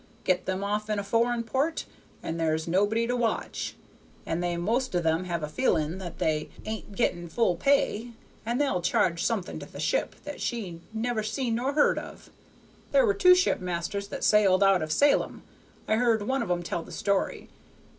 Get them off in a foreign port, and there's nobody to watch, and they most of them have a feeling that they ain't getting full pay, and they'll charge things to the ship that she never seen nor heard of. There were two shipmasters that sailed out of Salem. I heard one of 'em tell the story.